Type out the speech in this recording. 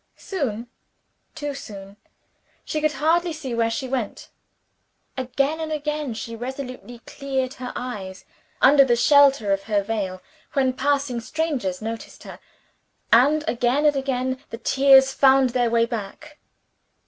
Soon, too soon, she could hardly see where she went. Again and again she resolutely cleared her eyes, under the shelter of her veil, when passing strangers noticed her; and again and again the tears found their way back.